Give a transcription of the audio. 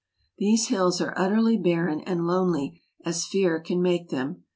These hills are utterly barren, and lonely as fear can make them.